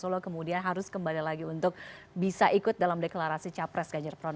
jadi kalau kemudian harus kembali lagi untuk bisa ikut dalam deklarasi capres ganjar pranowo